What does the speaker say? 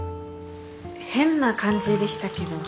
変な感じでしたけど。